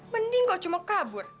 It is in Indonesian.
mending lo cuma kabur